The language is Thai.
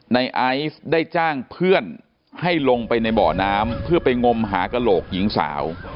ในไอซ์ได้จ้างเพื่อนให้ลงไปในบ่อน้ำเพื่อไปงมหากระโหลกหญิงสาว